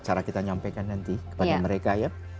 cara kita nyampaikan nanti kepada mereka ya